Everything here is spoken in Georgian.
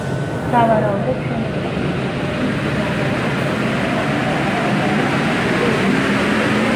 სავარაუდოდ, შენობის ამ მონაკვეთში მცირე უბე იყო შექმნილი, რომლის ერთ-ერთ კედელში შესასვლელი იყო მოწყობილი.